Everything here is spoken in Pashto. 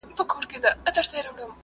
یوازي مي پرېږدې نه راستنېږې شپه په خیر